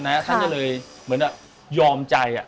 พระนารายจริงจะเลยเหมือนยอมใจ